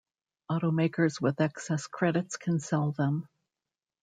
Automakers with excess credits can sell them.